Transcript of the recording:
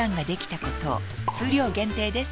数量限定です